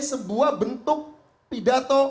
sebuah bentuk pidato